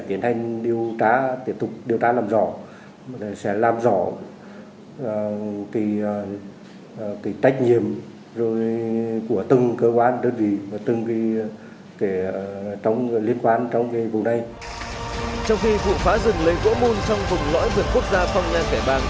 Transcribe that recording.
khi vụ phá rừng lấy gỗ môn trong vùng lõi vườn quốc gia phong nang kẻ bàng